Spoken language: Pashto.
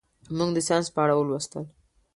موږ د ساینس په اړه ولوستل.